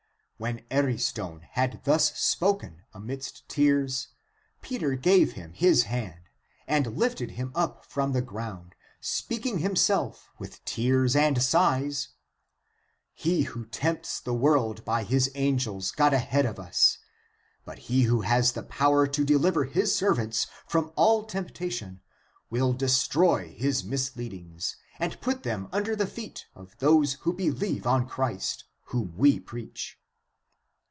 When Ariston had thus spoken amidst tears, Peter gave him his hand and lifted him up from the ground, speaking himself with tears and sighs :*' He who tempts the world by his angels got ahead of us ; but he who has the power to deliver his servants from all temptation will de stroy his misleadings and put them under the feet of those who believe on Christ, whom we preach."